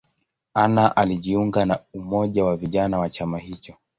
Anna alijiunga na umoja wa vijana wa chama hicho.